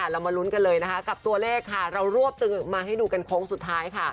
เรามาลุ้นกันเลยกับตัวเลขเรารวบมาให้ดูกันโค้งสุดท้าย